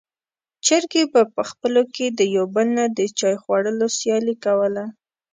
چرګې په خپلو کې د يو بل نه د چای خوړلو سیالي کوله.